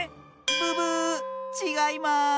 ブブーッちがいます！